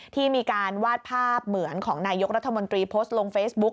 ที่มีการวาดภาพเหมือนของนายกรัฐมนตรีโพสต์ลงเฟซบุ๊ก